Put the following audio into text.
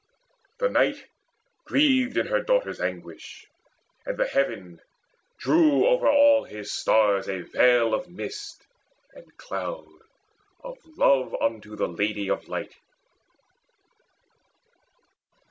The Night Grieved in her daughter's anguish, and the heaven Drew over all his stars a veil of mist And cloud, of love unto the Lady of Light.